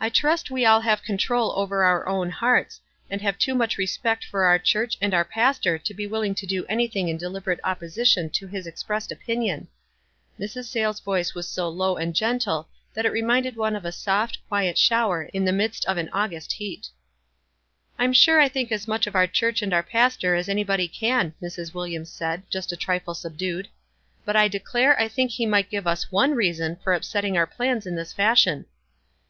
"I trust we aU have control over our own hearts, and have too much respect for our church and our pastor to be willing to do any thing in deliberate opposition to his expressed opinion." Mrs. Sayles' voice was so low and gentle, that it reminded one of a soft, quiet shower in the midst of an August heat. " I'm sure I think as much of our church and our pastor as anybody can," Mrs. Williams said, just a trifle subdued ; "but I declare I think he might give us one reason for upsetting our plans in this fashion."